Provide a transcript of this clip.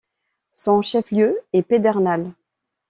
Son chef-lieu est Pedernales.